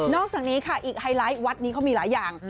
อกจากนี้ค่ะอีกไฮไลท์วัดนี้เขามีหลายอย่าง